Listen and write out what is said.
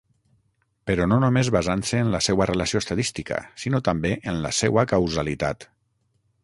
Però no només basant-se en la seua relació estadística sinó també en la seua causalitat.